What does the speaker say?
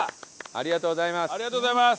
ありがとうございます！